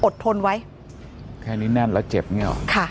อดทนไว้แค่นี้แน่นแล้วเจ็บไงเหรอค่ะ